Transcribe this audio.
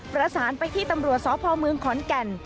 ประสานไปที่ตำรวจสพเมืองขอนแก่น